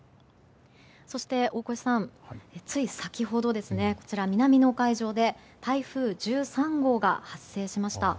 そして、大越さんつい先ほど南の海上で台風１３号が発生しました。